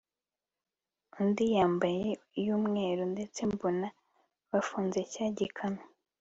undi yambaye iyumweru ndetse mbona bafunze cya gikamyo